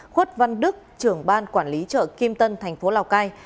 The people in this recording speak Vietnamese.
khuất văn đức trưởng ban quản lý chợ kim tân thành phố lào cai